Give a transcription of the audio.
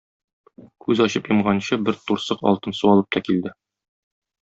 Күз ачып йомганчы бер турсык алтын су алып та килде.